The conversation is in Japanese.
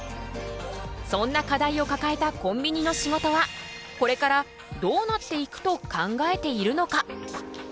そんな課題をかかえたコンビニの仕事はこれからどうなっていくと考えているのか？